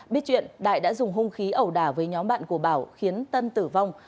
biết chuyện đại đã dùng hung khí ẩu đả với nhóm bạn của bảo khiến tân tử vong